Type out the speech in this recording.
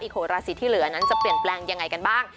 อีกโหลดราชีที่เหลือนั้นจะเปลี่ยนแปลงอย่างไรกันบ้าง